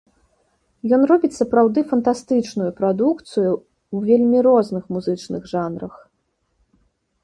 Ён робіць сапраўды фантастычную прадукцыю ў вельмі розных музычных жанрах.